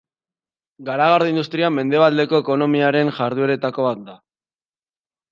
Garagardo industria Mendebaldeko ekonomiaren jardueretako bat da.